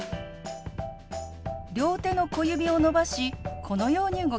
両手の小指を伸ばしこのように動かします。